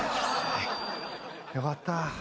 よかった。